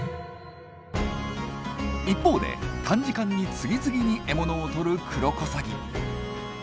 一方で短時間に次々に獲物をとるクロコサギ。